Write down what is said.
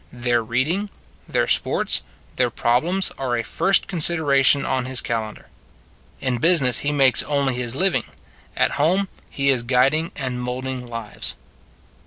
Their reading, their sports, their problems are a first considera tion on his calendar. In business he makes only his living; at home he is guid ing and molding lives.